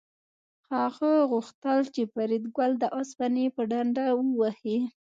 هغه غوښتل چې فریدګل د اوسپنې په ډنډه ووهي